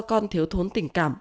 con thiếu thốn tình cảm